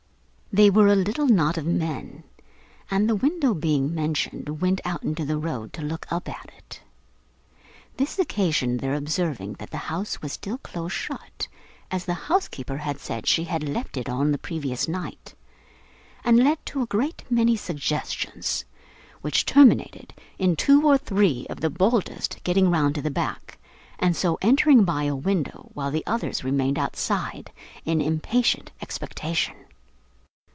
They were a little knot of men, and, the window being mentioned, went out into the road to look up at it. This occasioned their observing that the house was still close shut, as the housekeeper had said she had left it on the previous night, and led to a great many suggestions: which terminated in two or three of the boldest getting round to the back, and so entering by a window, while the others remained outside, in impatient expectation.